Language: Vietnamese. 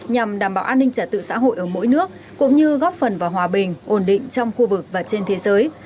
nhằm đảm bảo an ninh trả tự xã hội ở mỗi nước cũng như góp phần vào hòa bình ổn định trong khu vực và trên thế giới